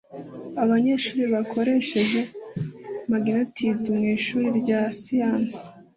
Abanyeshuri bakoresheje magneti mu ishuri rya siyanse.